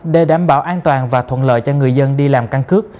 để đảm bảo an toàn và thuận lợi cho người dân đi làm căn cước